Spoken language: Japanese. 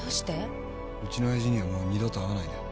ウチの親父にはもう二度と会わないで。